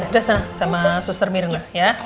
udah sama suster mirna ya